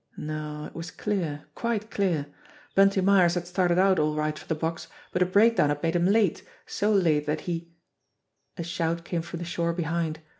No, it was clear, quite clear! Bunty Myers had started out all right for the box, but a breakdown had made him late, so late that he A shout came from the shore behind.